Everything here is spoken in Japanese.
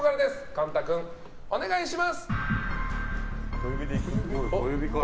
貫汰君、お願いします。